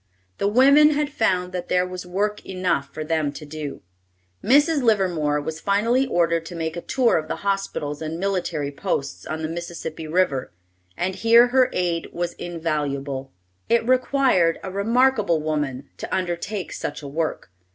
The women had found that there was work enough for them to do. Mrs. Livermore was finally ordered to make a tour of the hospitals and military posts on the Mississippi River, and here her aid was invaluable. It required a remarkable woman to undertake such a work.